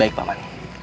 baik pak man